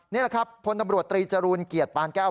นี่แหละครับพลตำรวจตรีจรูลเกียรติปานแก้ว